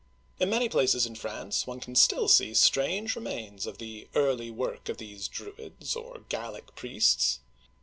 In many places in France one can still see strange re mains of the early work of these Druids, or Gallic priests.